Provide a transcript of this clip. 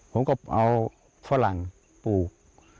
ผมก็เอาฝรั่งปลูก